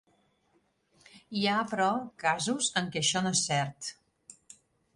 Hi ha, però, casos en què això no és cert.